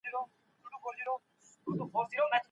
دستي یې امضا کړه چي کار خلاص سي.